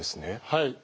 はい。